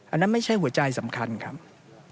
อันนั้นไม่ใช่หัวใจสำคัญครับ